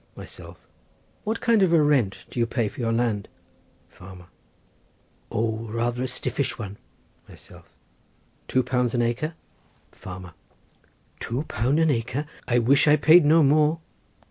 Myself.—What kind of a rent do you pay for your land? Farmer.—O, rather a stiffish one. Myself.—Two pound an acre? Farmer.—Two pound an acre! I wish I paid no more.